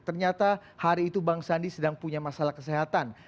ternyata hari itu bang sandi sedang punya masalah kesehatan